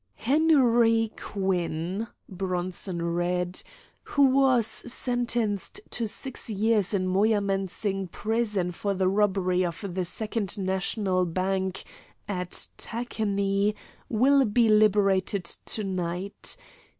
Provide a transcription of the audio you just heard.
"'Henry Quinn,'" Bronson read, "'who was sentenced to six years in Moyamensing Prison for the robbery of the Second National Bank at Tacony, will be liberated to night.